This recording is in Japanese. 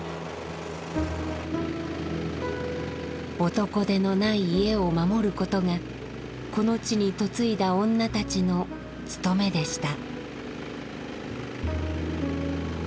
男手のない家を守ることがこの地に嫁いだ女たちの務めでした。